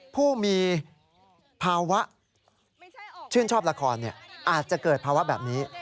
ผู้มีภาวะชื่นชอบละครอาจจะเกิดภาวะแบบนี้